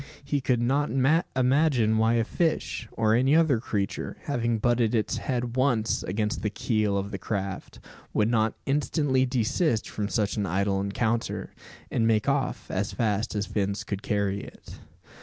He could not imagine why a fish, or any other creature, having butted its head once against the "keel" of the craft, would not instantly desist from such an idle encounter, and make off as fast as fins could carry it.